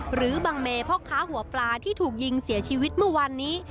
หรือบังเมพ่อค้าหัวปลาที่ถูกยิงเสียชีวิตเมื่อวานนี้